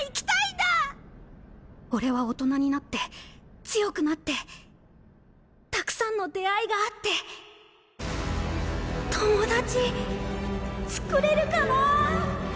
俺は大人になって強くなってたくさんの出会いがあって友達つくれるかなぁ